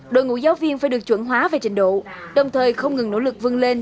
đội ngũ giáo viên phải được chuẩn hóa về trình độ đồng thời không ngừng nỗ lực vươn lên